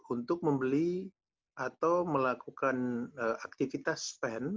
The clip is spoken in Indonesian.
untuk membeli atau melakukan aktivitas spend